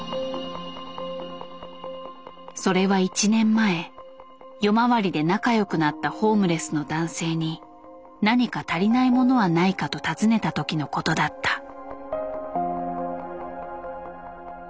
それは１年前夜回りで仲良くなったホームレスの男性に「何か足りないものはないか」と尋ねた時のことだった。